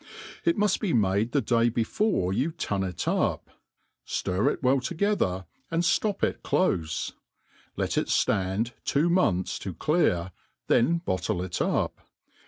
It muft be made the day before^you tun it up ; ftir it well together, and flop it clofe ; let it ftand two months to clear, then bottle it up.